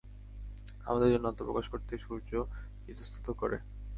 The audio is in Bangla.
আমাদের জন্য আত্মপ্রকাশ করতে সূর্য ইতস্তত করে।